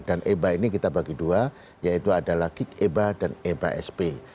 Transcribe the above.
eba ini kita bagi dua yaitu adalah kick eba dan eba sp